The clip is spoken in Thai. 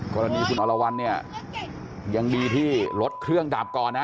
กรณีคุณอรวรรณเนี่ยยังดีที่รถเครื่องดับก่อนนะ